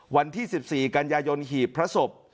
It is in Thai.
วันที่๑๔กันยายนหีบพระศพ